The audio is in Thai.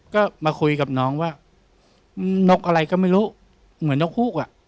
ก็มาคุยกับน้องว่านกอะไรก็ไม่รู้เหมือนนกฮูกอ่ะ